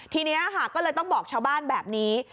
ทีนี้ค่ะก็เลยต้องบอกชาวบ้านแบบนี้